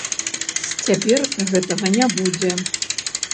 Цяпер гэтага не будзе.